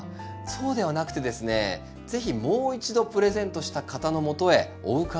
そうではなくてですね是非もう一度プレゼントした方のもとへお伺いしてですね